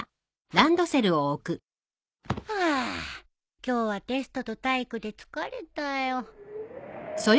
ハァ今日はテストと体育で疲れたよ。